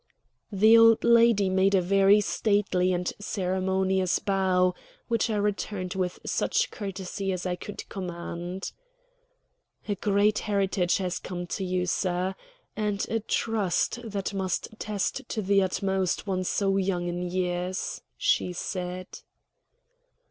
The old lady made me a very stately and ceremonious bow, which I returned with such courtesy as I could command. "A great heritage has come to you, sir, and a trust that must test to the utmost one so young in years," she said.